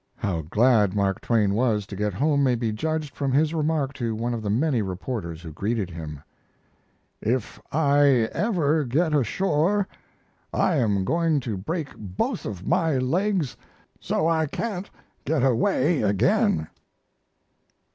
How glad Mark Twain was to get home may be judged from his remark to one of the many reporters who greeted him. "If I ever get ashore I am going to break both of my legs so I can't, get away again."